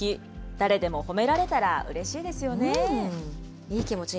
誰でも褒められたらうれしいですよね。